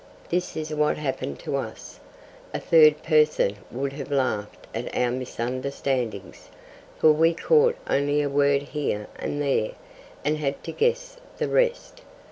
This is what happened to us. A third person would have laughed at our misunderstandings, for we caught only a word here and there, and had to guess the rest.